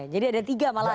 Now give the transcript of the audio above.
jadi ada tiga malah ya